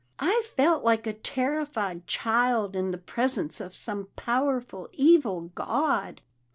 "I felt like a terrified child in the presence of some powerful, evil god."